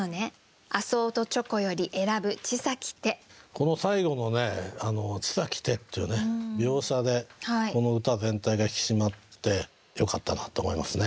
この最後の「小さき手」っていう描写でこの歌全体が引き締まってよかったなと思いますね。